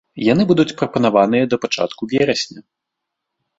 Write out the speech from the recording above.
Яны будуць прапанаваныя да пачатку верасня.